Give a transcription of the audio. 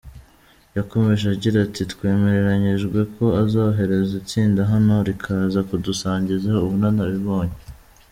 Yakomeje agira ati “Twemeranyijwe ko azohereza itsinda hano rikaza kudusangiza ubunararibonye.